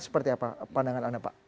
seperti apa pandangan anda pak